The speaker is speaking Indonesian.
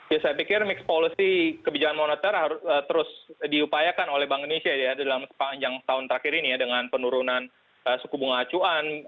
ya saya pikir mix policy kebijakan moneter harus terus diupayakan oleh bank indonesia ya dalam sepanjang tahun terakhir ini ya dengan penurunan suku bunga acuan